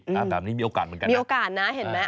แบบนี้มีโอกาสเหมือนกันนะมีโอกาสนะเห็นไหม